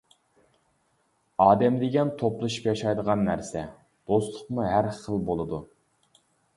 ئادەم دېگەن توپلىشىپ ياشايدىغان نەرسە، دوستلۇقمۇ ھەر خىل بولىدۇ.